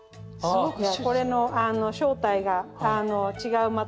じゃあこれの正体が違う